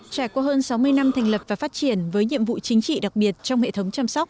trải qua hơn sáu mươi năm thành lập và phát triển với nhiệm vụ chính trị đặc biệt trong hệ thống chăm sóc